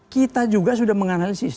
kita juga sudah menganalisis